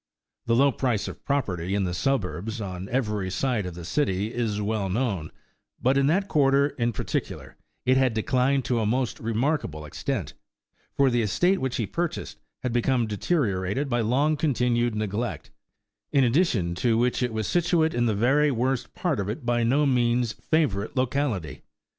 The low price of property 3i in the suburbs, on every side of the City, is well known ; but in that quarter in particu lar, it had declined to a most remarkable extent; for the estate which he purchased had become deteriorated by long continued neglect, in addition to which it was situate in the very worst part of a by no means favourite locality.